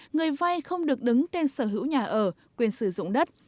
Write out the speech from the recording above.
người vay không được đứng tên sở hữu nhà ở quyền sử dụng đất